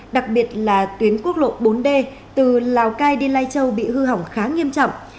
đặc biệt là tuyến quốc lộ bốn d từ lào cai đi lai châu bị hư hỏng khá nghiêm trọng